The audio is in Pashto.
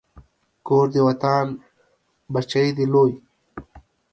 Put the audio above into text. کور دې ودان، بچی دې لوی